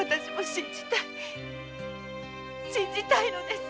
信じたいのです。